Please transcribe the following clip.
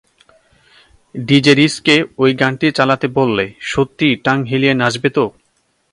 DJ রিচকে ঐ গানটা চালাতে বললে, সত্যিই ঠ্যাং হিলিয়ে নাচবি তো?